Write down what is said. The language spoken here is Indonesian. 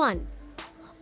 dan tan ek cuan